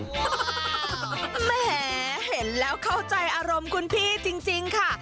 แหมเห็นแล้วเข้าใจอารมณ์คุณพี่จริงค่ะ